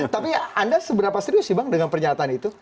tapi anda seberapa serius sih bang dengan pernyataan itu